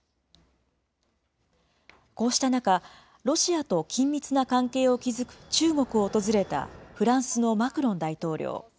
こうした中、ロシアと緊密な関係を築く中国を訪れたフランスのマクロン大統領。